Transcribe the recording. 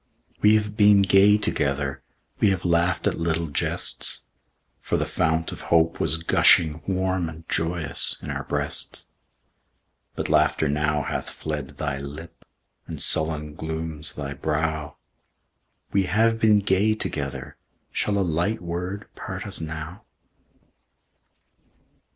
We have been gay together; We have laughed at little jests; For the fount of hope was gushing Warm and joyous in our breasts, But laughter now hath fled thy lip, And sullen glooms thy brow; We have been gay together, Shall a light word part us now?